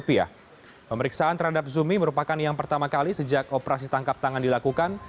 pemeriksaan terhadap zumi merupakan yang pertama kali sejak operasi tangkap tangan dilakukan